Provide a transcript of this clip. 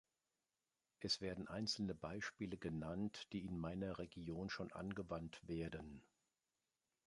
Es werden einzelne Beispiele genannt, die in meiner Region schon angewandt werden.